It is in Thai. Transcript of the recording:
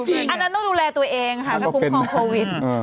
อันนั้นต้องดูแลตัวเองค่ะเพื่อคุ้มครองโควิด